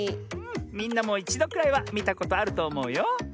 みんなもいちどくらいはみたことあるとおもうよ。